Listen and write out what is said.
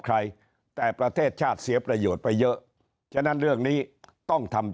ใครแต่ประเทศชาติเสียประโยชน์ไปเยอะฉะนั้นเรื่องนี้ต้องทำ